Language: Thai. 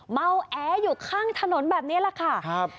เมาแออยู่ข้างถนนแบบนี้แหละค่ะครับ